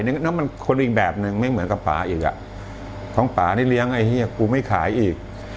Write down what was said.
แล้วมันคนอีกแบบนึงไม่เหมือนกับป่าอีกอ่ะท้องป่านี่เลี้ยงไอ้เฮียกูไม่ขายอีก